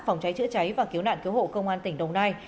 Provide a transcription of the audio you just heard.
phòng cháy chữa cháy và cứu nạn cứu hộ công an tỉnh đồng nai